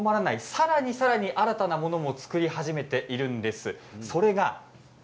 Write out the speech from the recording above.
さらにさらに新たなものも作り始めているんです。